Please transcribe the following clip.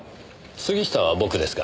杉下は僕ですが。